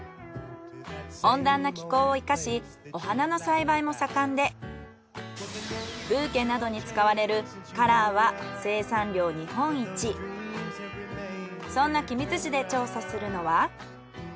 温暖な気候を生かしお花の栽培も盛んでブーケなどに使われるそんな君津市で調査するのは。